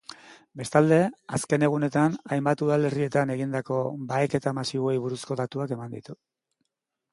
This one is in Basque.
Bestalde, azken egunetan hainbat udalerrietan egindako baheketa masiboei buruzko datuak eman ditu.